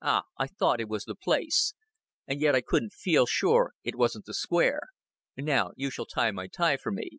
"Ah, I thought it was the Place and yet I couldn't feel sure it wasn't the Square. Now you shall tie my tie for me."